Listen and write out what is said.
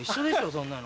そんなの。